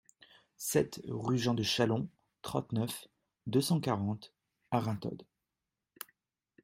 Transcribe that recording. sept rue Jean de Chalon, trente-neuf, deux cent quarante, Arinthod